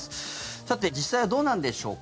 さて、実際はどうなんでしょうか。